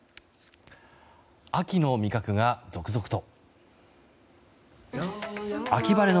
秋の味覚が続々と。